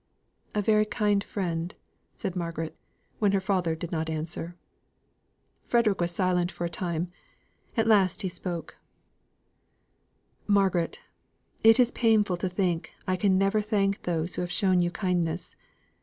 "A very kind friend," said Margaret, when her father did not answer. Frederick was silent for a time. At last he spoke: "Margaret, it is painful to think I can never thank those who have shown you kindness.